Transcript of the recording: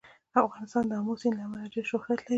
افغانستان د آمو سیند له امله ډېر شهرت لري.